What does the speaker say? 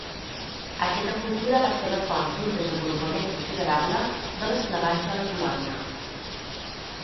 Aquesta cultura va ser la font d'un desenvolupament considerable de l'esclavatge a la colònia.